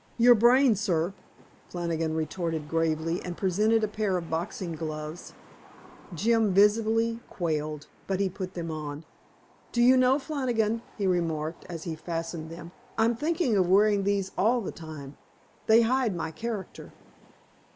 "Your brains, sir," Flannigan retorted gravely, and presented a pair of boxing gloves. Jim visibly quailed, but he put them on. "Do you know, Flannigan," he remarked, as he fastened them, "I'm thinking of wearing these all the time. They hide my character."